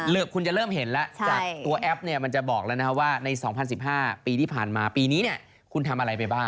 คุณจะเริ่มเห็นแล้วจากตัวแอปเนี่ยมันจะบอกแล้วนะครับว่าใน๒๐๑๕ปีที่ผ่านมาปีนี้เนี่ยคุณทำอะไรไปบ้าง